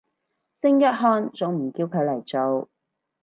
聖約翰仲唔叫佢嚟做